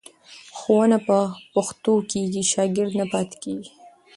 ښوونه په پښتو کېږي، شاګرد نه پاتې کېږي.